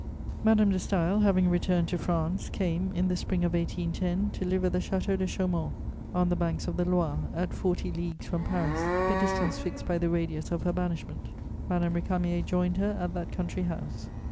Madame de Staël, having returned to France, came, in the spring of 1810, to live at the Château de Chaumont, on the banks of the Loire, at forty leagues from Paris, the distance fixed by the radius of her banishment. Madame Récamier joined her at that country house.